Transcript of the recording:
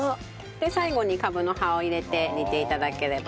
で最後にカブの葉を入れて煮て頂ければ。